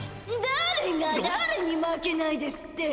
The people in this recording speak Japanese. だれがだれに負けないですって？